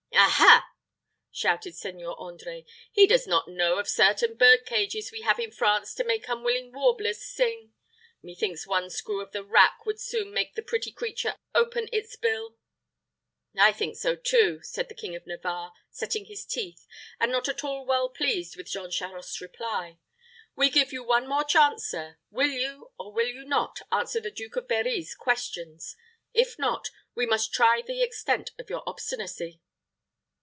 "Ha, ha!" shouted Seigneur André; "he does not know of certain bird cages we have in France to make unwilling warblers sing. Methinks one screw of the rack would soon make the pretty creature open its bill." "I think so too," said the King of Navarre, setting his teeth, and not at all well pleased with Jean Charost's reply. "We give you one more chance, sir; will you, or will you not, answer the Duke of Berri's questions? If not, we must try the extent of your obstinacy."